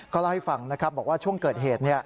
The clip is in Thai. เล่าให้ฟังนะครับบอกว่าช่วงเกิดเหตุ